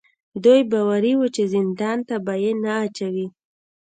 دوی باوري وو چې زندان ته به یې نه اچوي.